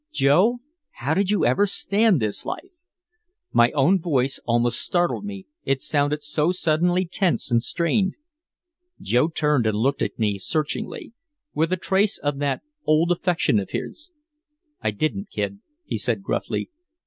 "Joe, how did you ever stand this life?" My own voice almost startled me, it sounded so suddenly tense and strained. Joe turned and looked at me searchingly, with a trace of that old affection of his. "I didn't, Kid," he said gruffly.